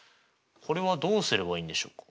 これはどうすればいいんでしょうか？